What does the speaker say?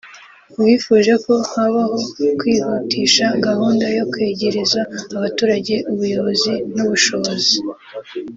bifuje ko habaho kwihutisha gahunda yo kwegereza abaturage ubuyobozi n’ubushobozi